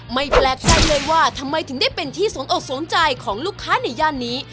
ไม่แปลกใจเลยว่าทำไมถึงได้เป็นที่สนอกสนใจของลูกค้าในย่านนี้